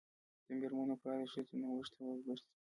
د میرمنو کار د ښځو نوښت سبب ګرځي.